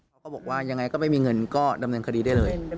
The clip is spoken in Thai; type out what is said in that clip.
เขาก็บอกว่ายังไงก็ไม่มีเงินก็ดำเนินคดีได้เลย